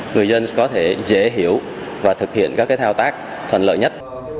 người dân có thể dễ hiểu và thực hiện các thao tác thuận lợi nhất